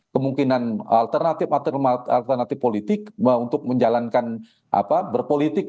kemungkinan alternatif alternatif politik untuk menjalankan berpolitik